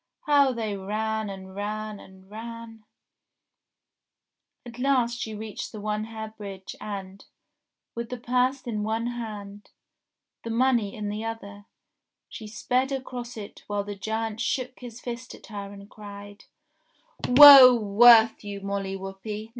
How they ran, and ran, and ran, and ran ! At last she reached the One Hair Bridge and, with the purse in one hand, the money in the other, she sped across it while the giant shook his fist at her, and cried : "Woe worth you, Molly Whuppie!